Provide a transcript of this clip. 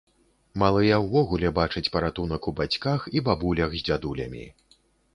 Малыя ўвогуле бачаць паратунак у бацьках і бабулях з дзядулямі.